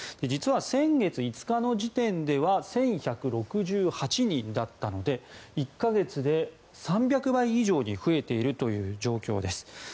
実は先月５日の時点では１１６８人だったので１か月で３００倍以上に増えているという状況です。